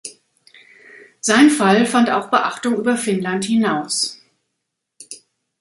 Sein Fall fand auch Beachtung über Finnland hinaus.